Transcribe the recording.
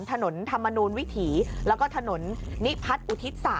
ธรรมนูลวิถีแล้วก็ถนนนิพัฒน์อุทิศ๓